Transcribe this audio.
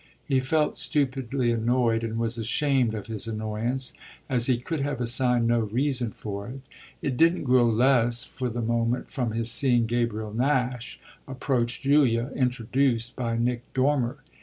He felt stupidly annoyed and was ashamed of his annoyance, as he could have assigned no reason for it. It didn't grow less for the moment from his seeing Gabriel Nash approach Julia, introduced by Nick Dormer.